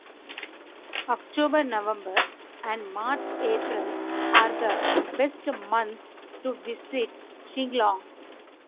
October-November and March-April are the best months to visit Shillong.